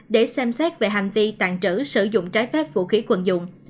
để xem xét về hành vi tàn trữ sử dụng trái phép vũ khí quần dụng